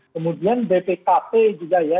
kemudian bpkp juga ya